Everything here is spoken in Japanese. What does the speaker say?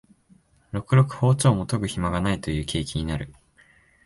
ろくろく庖丁も研ぐひまがないという景気になる